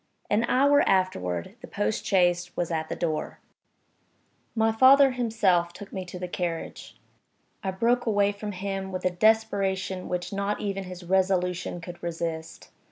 An hour afterward the post chaise was at the door. My father himself took me to the carriage. I broke away from him, with a desperation which not even his resolution could resist.